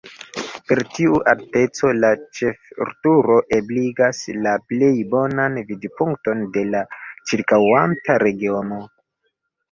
Per tiu alteco, la ĉefturo ebligas la plej bonan vidpunkton de la ĉirkaŭanta regiono.